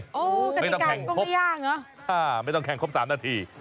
โอ้โหกฎิการก็ไม่ยากเหรอไม่ต้องแข่งครบสามนาที